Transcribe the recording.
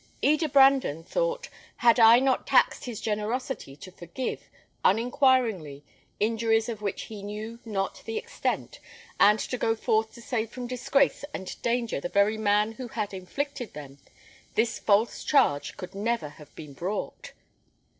Eda Brandon thought, "Had I not taxed his generosity to forgive, uninquiringly, injuries of which he knew not the extent, and to go forth to save from disgrace and danger the very man who had inflicted them, this false charge could never have been brought."